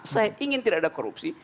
saya ingin tidak ada korupsi